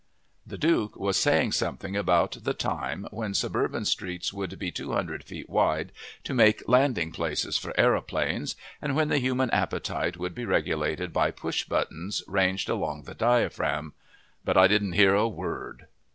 The Duke was saying something about the time when suburban streets would be two hundred feet wide to make landing places for aeroplanes, and when the human appetite would be regulated by push buttons ranged along the diaphragm. But I didn't hear a word.